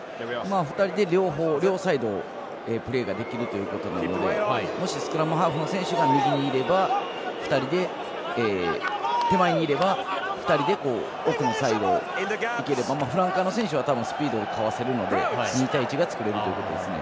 ２人で両方、両サイドプレーができるということなのでもしスクラムハーフの選手が右にいれば２人で手前にいれば２人で奥のサイドいければフランカーの選手はスピードをかわせるので２対１が作れるということですね。